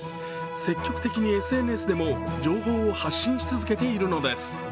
積極的にＳＮＳでも情報を発信し続けているのです。